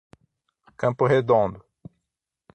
Campo Redondo